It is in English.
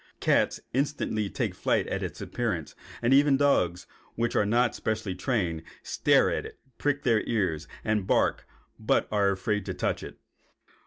Cats instantly take flight at its appearance, and even dogs, which are not specially trained, stare at it, prick their ears, and bark, but are afraid to touch it."